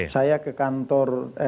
saya ke kantor